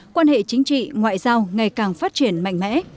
quan hệ chính trị ngoại giao ngày càng phát triển mạnh mẽ